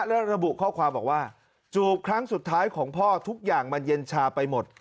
และระบุข้อความบอกว่าจูบครั้งสุดท้ายของพ่อทุกอย่างมันเย็นชาไปหมด